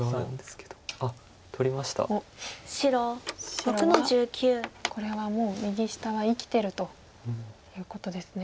白はこれはもう右下は生きてるということですね。